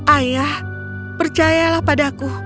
ayah percayalah padaku